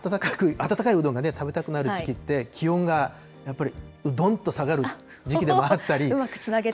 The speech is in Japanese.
温かいうどんが食べたくなる時期って、気温がやっぱり、うどんと下がる時期でもあったり。